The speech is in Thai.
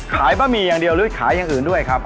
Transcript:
บะหมี่อย่างเดียวหรือขายอย่างอื่นด้วยครับ